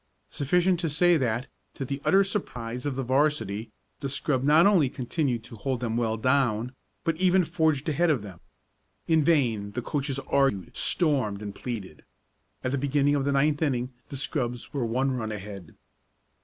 Sufficient to say that, to the utter surprise of the 'varsity, the scrub not only continued to hold them well down, but even forged ahead of them. In vain the coaches argued, stormed and pleaded. At the beginning of the ninth inning the scrubs were one run ahead.